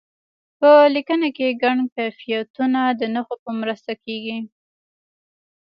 په لیکنه کې ګڼ کیفیتونه د نښو په مرسته کیږي.